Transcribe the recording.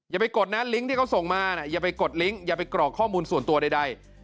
อย่าไปกดนะลิงก์ที่เขาส่งมาอย่าไปกดลิงก์อย่าไปกรอกข้อมูลส่วนตัวใด